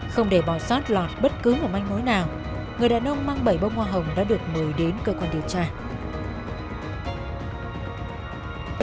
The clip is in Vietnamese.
không để bỏ sót lọt bất cứ một manh mối nào người đàn ông mang bảy bông hoa hồng đã được mời đến cơ quan điều tra